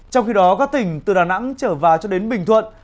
trong khi đó các tỉnh từ đà nẵng trở vào cho đến bình thuận